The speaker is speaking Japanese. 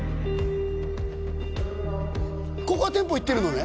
ここは店舗行ってるのね？